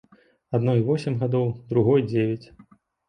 Адной восем гадоў, другой дзевяць.